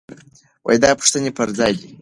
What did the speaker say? دا پوښتنې پر ځای دي.